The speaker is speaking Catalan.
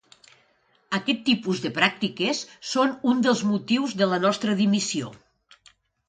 Aquest tipus de pràctiques són un dels motius de la nostra dimissió.